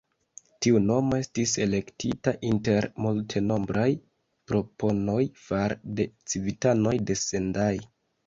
Tiu nomo estis elektita inter multenombraj proponoj far'de civitanoj de Sendai.